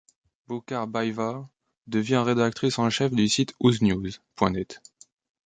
Bukharbaeva devient rédactrice en chef du site Uznews.net.